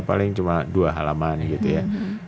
paling cuma dua halaman gitu ya